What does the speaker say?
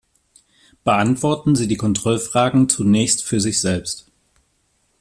Beantworten Sie die Kontrollfragen zunächst für sich selbst.